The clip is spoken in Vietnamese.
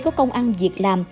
có công ăn việc làm